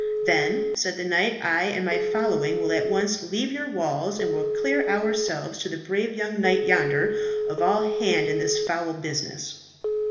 "Then," said the knight, "I and my following will at once leave your walls, and will clear ourselves to the brave young knight yonder of all hand in this foul business."